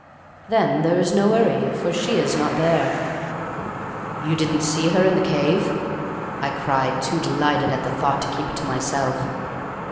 "'Then there is no 'urry, for she is not there.' "'You didn't see her in the cave?' I cried, too delighted at the thought to keep it to myself.